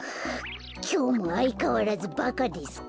「きょうもあいかわらずバカですか？